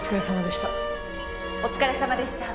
お疲れさまでした。